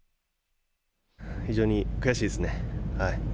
非常に悔しいですね。